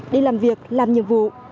đi làm việc làm nhiệm vụ